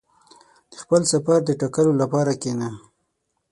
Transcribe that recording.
• د خپل سفر د ټاکلو لپاره کښېنه.